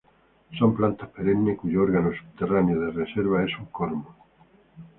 Son plantas perennes cuyo órgano subterráneo de reserva es un cormo.